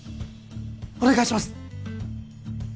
お願いします